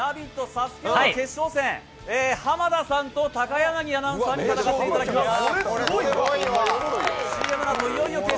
ＳＡＳＵＫＥ王決勝戦、濱田さんと高柳アナウンサーに戦っていただきます。